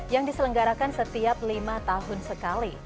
yang diselenggarakan setiap lima tahun sekali